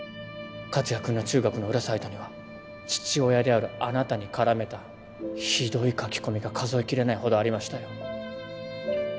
克哉君の中学の裏サイトには父親であるあなたに絡めたひどい書き込みが数えきれないほどありましたよ。